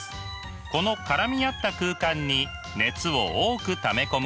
この絡み合った空間に熱を多くため込むのです。